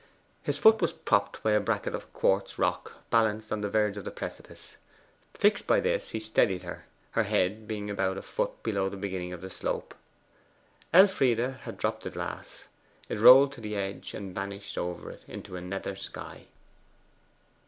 His foot was propped by a bracket of quartz rock, balanced on the verge of the precipice. Fixed by this, he steadied her, her head being about a foot below the beginning of the slope. Elfride had dropped the glass; it rolled to the edge and vanished over it into a nether sky.